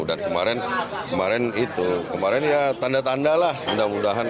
dan kemarin itu kemarin ya tanda tandalah mudah mudahan